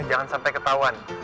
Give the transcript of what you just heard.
jangan sampai ketauan